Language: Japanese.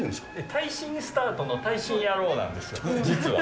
耐震スタートの耐震やろうなんですよ、実は。